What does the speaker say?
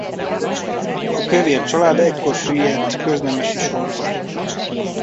A Kövér-család ekkor süllyedt köznemesi sorba.